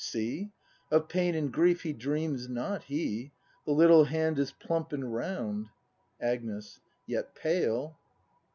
] See; Of pain and grief he dreams not, he; The little hand is plump and round Agnes. Yet pale.